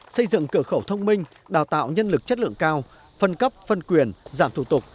xây dựng cửa khẩu thông minh đào tạo nhân lực chất lượng cao phân cấp phân quyền giảm thủ tục